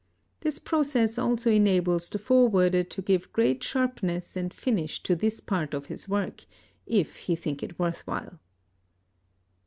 This process also enables the forwarder to give great sharpness and finish to this part of his work, if he think it worth while.